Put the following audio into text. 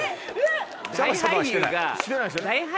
大俳優が。